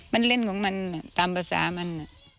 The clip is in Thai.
มันเล่นของมันตามภาษามัน